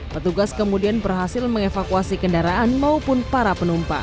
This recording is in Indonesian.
petugas kemudian berhasil mengevakuasi kendaraan maupun para penumpang